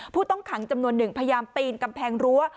ผู้ต้องขังจำนวนหนึ่งพยายามปีนกำแพงรั้ว